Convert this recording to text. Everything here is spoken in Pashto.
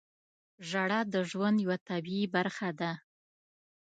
• ژړا د ژوند یوه طبیعي برخه ده.